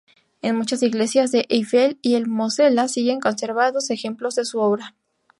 En muchas iglesias de Eifel y el Mosela siguen conservados ejemplos de su obra.